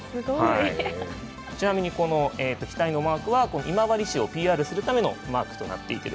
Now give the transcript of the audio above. ちなみに額のマークは今治市をＰＲするためのマークです。